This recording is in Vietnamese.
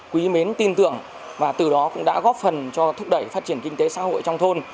quý mến tin tưởng và từ đó cũng đã góp phần cho thúc đẩy phát triển kinh tế xã hội trong thôn